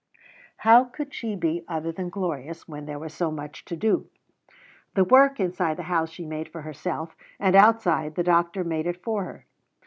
How could she be other than glorious when there was so much to do? The work inside the house she made for herself, and outside the doctor made it for her.